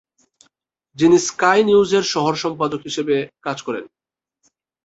যিনি স্কাই নিউজের শহর সম্পাদক হিসেবে কাজ করেন।